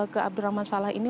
ke abdurrahman saleh ini